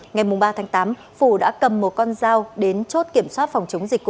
ngày ba tháng tám phủ đã cầm một con dao đến chốt kiểm soát phòng chống dịch